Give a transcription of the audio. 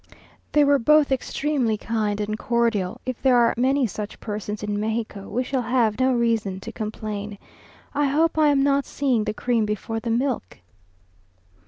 They were both extremely kind and cordial; if there are many such persons in Mexico, we shall have no reason to complain. I hope I am not seeing the cream before the milk!